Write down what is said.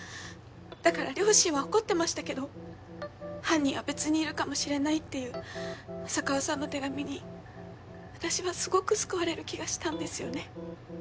だから両親は怒ってましたけど犯人は別にいるかもしれないっていう浅川さんの手紙に私はすごく救われる気がしたんですよね。